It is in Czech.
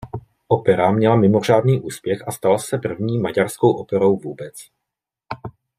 Opera měla mimořádný úspěch a stala se první maďarskou operou vůbec.